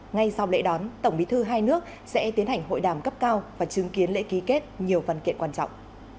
ngay sau lễ đón tổng bí thư hai nước sẽ tiến hành hội đàm cấp cao và chứng kiến lễ ký kết nhiều văn kiện quan trọng